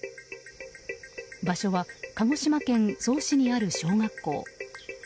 場所は、鹿児島県曽於市にある小学校。